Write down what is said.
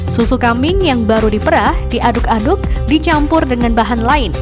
susu kambing yang baru diperah diaduk aduk dicampur dengan bahan lain